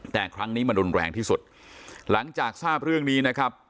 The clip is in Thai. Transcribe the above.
แต่ครั้งนี้มันรุนแรงที่สุดหลังจากทราบเรื่องนี้นะครับ